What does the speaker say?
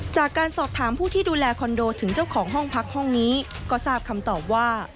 จากการสอบถามผู้ที่ดูแลคอนโดถึงเจ้าของห้องพักห้องนี้ก็ทราบคำตอบว่า